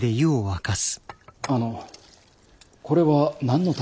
あのこれは何のために。